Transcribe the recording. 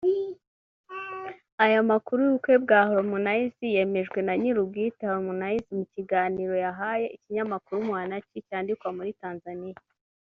Aya makuru y’ubukwe bwa Harmonize yemejwe na nyirubwite Harmonize mu kiganiro yahaye ikinyamakuru Mwanachi cyandikirwa muri Tanzania